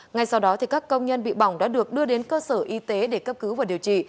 ngay sau đó các công nhân bị bỏng đã được đưa đến cơ sở y tế để cấp cứu và điều trị